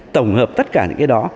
tổng hợp tất cả những cái đó